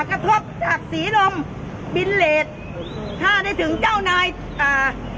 กระทบจากศรีลมบินเลสถ้าได้ถึงเจ้านายอ่า